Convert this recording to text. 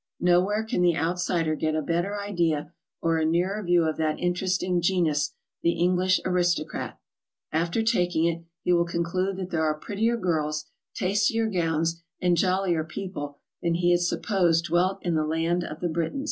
Nowhere can the outsider get a better idea or a nearer view of that interesting genus, the English aristocrat. After taking it, he will conclude that there are prettier girls, tastier gowns and jollier people than he had supposed dwelt in the land of the Briton.